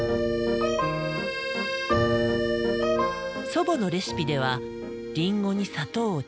祖母のレシピではリンゴに砂糖を直接かける。